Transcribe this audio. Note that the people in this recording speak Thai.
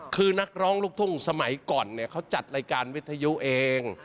คือนักร้องลูกทุ่งสมัยก่อนเนี่ยเขาจัดรายการวิทยุเอง